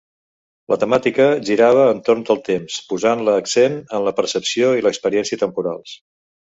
La temàtica girava entorn del temps, posant l'accent en la percepció i l'experiència temporals.